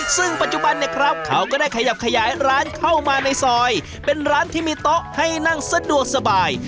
ซึ่งปัจจุบันเนี่ยครับเขาก็ได้ขยับขยายร้านเข้ามาในซอยเป็นร้านที่มีโต๊ะให้นั่งสะดวกสบาย